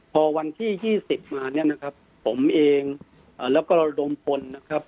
พอวันที่๒๐มาเนี่ยนะครับผมเองแล้วก็ระดมพลนะครับ